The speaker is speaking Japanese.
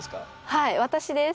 はい私です。